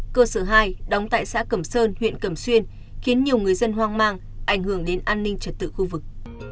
cơ sở hai đóng tại xã cẩm sơn huyện cẩm xuyên khiến nhiều người dân hoang mang ảnh hưởng đến an ninh trật tự khu vực